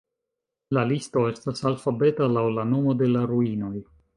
La listo estas alfabeta laŭ la nomo de la ruinoj.